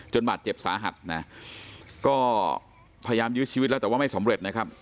บาดเจ็บสาหัสนะก็พยายามยื้อชีวิตแล้วแต่ว่าไม่สำเร็จนะครับ